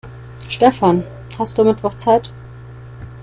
Stefan, hast du am Mittwoch Zeit?